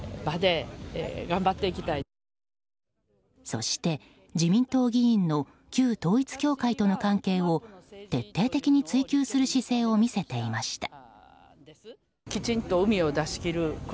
そして、自民党議員の旧統一教会との関係を徹底的に追及する姿勢を見せていました。